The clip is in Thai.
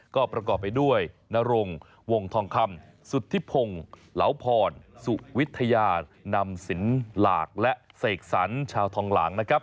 ก็ประกอบไปด้วยนรงวงทองคำสุธิพงศ์เหลาพรสุวิทยานำสินหลากและเสกสรรชาวทองหลางนะครับ